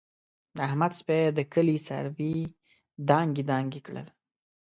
د احمد سپي د کلي څاروي دانګې دانګې کړل.